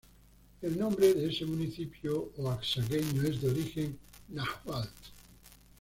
El nombre de este municipio oaxaqueño es de origen náhuatl.